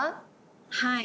はい。